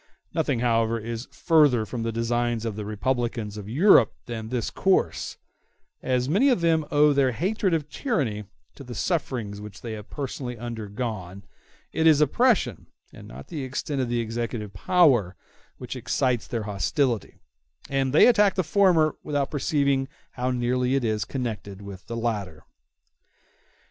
Nothing, however, is further from the designs of the republicans of Europe than this course: as many of them owe their hatred of tyranny to the sufferings which they have personally undergone, it is oppression, and not the extent of the executive power, which excites their hostility, and they attack the former without perceiving how nearly it is connected with the latter.